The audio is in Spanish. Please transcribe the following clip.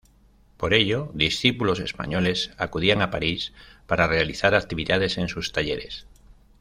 Por ello, discípulos españoles acudían a París para realizar actividades en sus talleres.